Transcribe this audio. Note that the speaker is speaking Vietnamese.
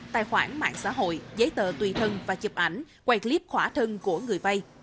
tài khoản mạng xã hội giấy tờ tùy thân và chụp ảnh quay clip khỏa thân của người vay